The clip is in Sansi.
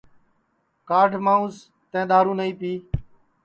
کھاڈھ مانٚوس تیں دؔارو نائی پی